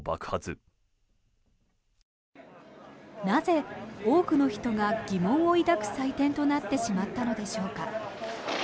なぜ、多くの人が疑問を抱く採点となってしまったのでしょうか。